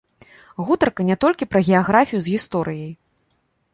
Гутарка не толькі пра геаграфію з гісторыяй.